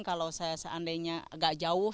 kalau saya seandainya agak jauh